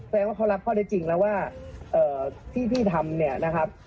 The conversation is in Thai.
แสดงว่าเขารับข้อได้จริงแล้วว่าที่พี่ทำเนี่ยนะครับ